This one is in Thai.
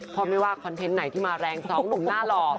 เพราะไม่ว่าคอนเทนต์ไหนที่มาแรง๒หนูน่ารอ